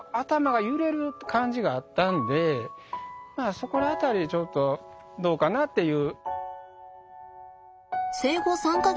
そこら辺りでちょっとどうかなっていう。